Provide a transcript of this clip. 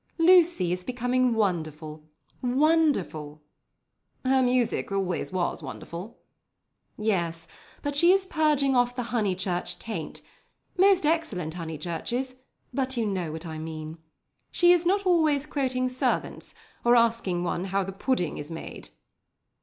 "Lucy is becoming wonderful—wonderful." "Her music always was wonderful." "Yes, but she is purging off the Honeychurch taint, most excellent Honeychurches, but you know what I mean. She is not always quoting servants, or asking one how the pudding is made."